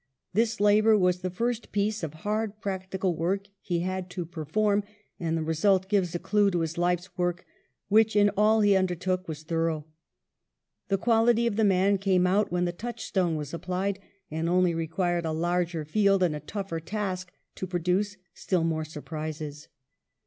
This labour was the first piece of hard practical duty he had to peri^orm, and the result gives a clue to his life work, which in all he undertook was thorough. The quality of the man came out when the touchstone was applied, and only required a larger field and a tougher task to produce still more surprises.